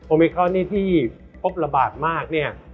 โอเมครอนที่พบระบาดมาก